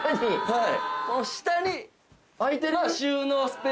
はい。